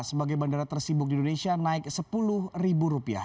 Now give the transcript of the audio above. sebagai bandara tersibuk di indonesia naik sepuluh rupiah